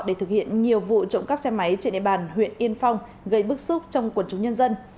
để thực hiện nhiều vụ trộm cắp xe máy trên địa bàn huyện yên phong gây bức xúc trong quần chúng nhân dân